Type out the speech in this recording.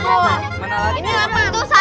kalau mau pindah